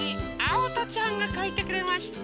おとちゃんがかいてくれました。